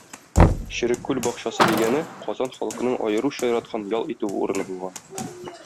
Черек күл бакчасы дигәне Казан халкының аеруча яраткан ял итү урыны булган.